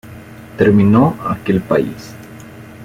Terminó aquel país.